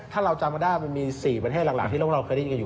ถ้าเราจำกัดได้มันมี๔ประเทศหลังที่โลกเราเครื่องดินอยู่